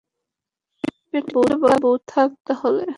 পাটিল বাবু, থাক তাহলে।